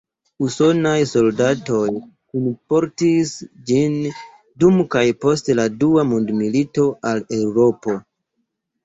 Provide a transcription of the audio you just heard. Usonaj soldatoj kunportis ĝin dum kaj post la Dua Mondmilito al Eŭropo.